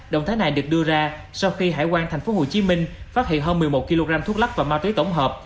động thái này được đưa ra sau khi hải quan tp hcm phát hiện hơn một mươi một kg thuốc lắc và ma túy tổng hợp